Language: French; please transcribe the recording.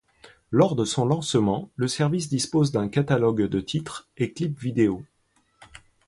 Lors de son lancement le service dispose d'un catalogue de titres et clips vidéo.